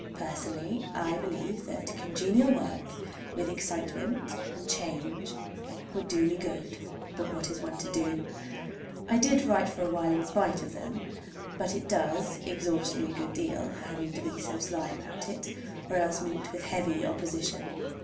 Personally, I believe that congenial work, with excitement and change, would do me good. But what is one to do? I did write for a while in spite of them; but it does exhaust me a good deal—having to be so sly about it, or else meet with heavy opposition.